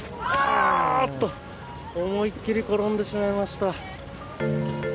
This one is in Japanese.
思いっきり転んでしまいました。